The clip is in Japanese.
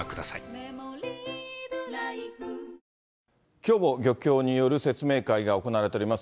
きょうも漁協による説明会が行われております